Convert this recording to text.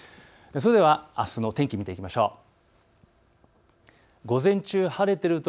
それではあすの天気見ていきましょう。